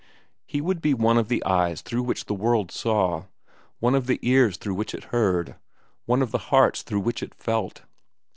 He would be one of the eyes through which the world saw, one of the ears through which it heard, one of the hearts through which it felt.